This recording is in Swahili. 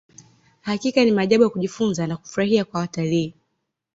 hakika ni maajabu ya kujifunza na kufurahia kwa watalii